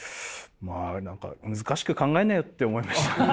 まあ何か難しく考えんなよって思いました。